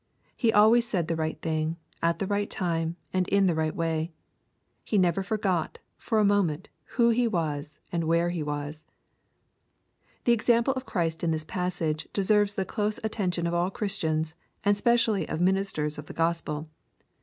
He always said the right thing, at the right time, and in the right way. He never forgot, for a moment, who He was and where He was. The example of Christ in this passage deserves the close attention of all Chri8tian8,and specially of ministers of the Grospel.